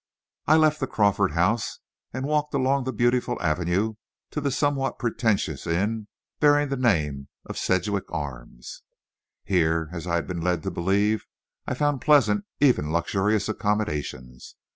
I left the Crawford house and walked along the beautiful avenue to the somewhat pretentious inn bearing the name of Sedgwick Arms. Here, as I had been led to believe, I found pleasant, even luxurious accommodations.